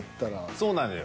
そうなのよ。